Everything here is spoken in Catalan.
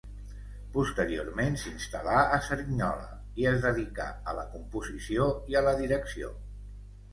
Posteriorment s'instal·là a Cerignola i es dedicà a la composició i a la direcció.